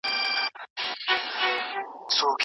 آیا ته پوهېږې چې انټرنیټ کله جوړ سو؟